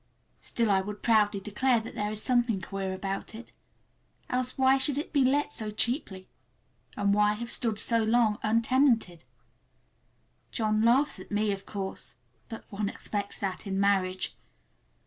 Still I will proudly declare that there is something queer about it. Else, why should it be let so cheaply? And why have stood so long untenanted? John laughs at me, of course, but one expects that in marriage.